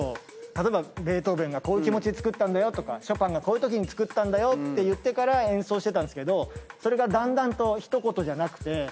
例えばベートーヴェンがこういう気持ちで作ったよとかショパンがこういうときに作ったんだよって言ってから演奏してたんですけどそれが。